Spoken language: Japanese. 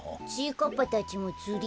かっぱたちもつり？